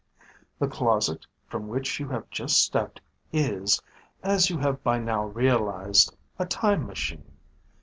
"The 'closet' from which you have just stepped is, as you have by now realized, a time machine.